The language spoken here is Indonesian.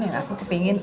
yang aku ingin